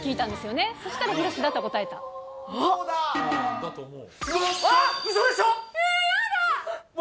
だと思う。